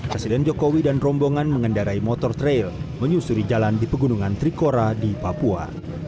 presiden jokowi dan rombongan mengendarai motor trail menyusuri jalan di pegunungan trikora di papua